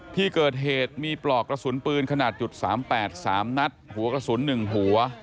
ที่เกิดเหตุมีปลอกกระสุนปืนขนาด๓๘๓นัดหัวกระสุน๑หัว